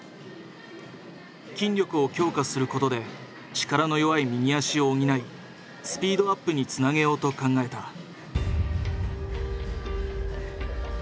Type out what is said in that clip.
筋力を強化することで力の弱い右足を補いスピードアップにつなげようと考えた。